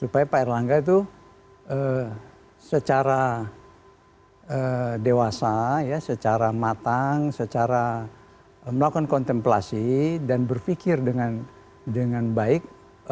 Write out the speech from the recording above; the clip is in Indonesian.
supaya pak erlangga itu secara dewasa secara matang secara melakukan kontemplasi dan berpikir dengan baik